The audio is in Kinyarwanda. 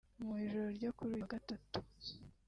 Mu ijoro ryo kuri uyu wa Gatatu